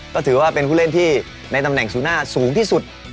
ก็ถือว่าเป็นผู้เล่นที่ในตำแหน่งสุน่าสูงที่สุด